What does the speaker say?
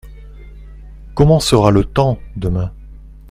Comment sera le temps demain ?